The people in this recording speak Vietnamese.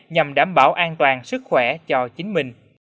nhằm đảm bảo an toàn sức khỏe cho chính mình